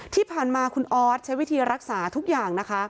ที่ผ่านมาคุณออสใช้วิธีรักษาทุกอย่างนะคะ